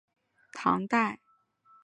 铺墩古窑址的历史年代为唐代。